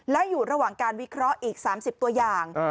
และอยู่ระหว่างการวิเคราะห์อีก๓๐ตัวอย่าง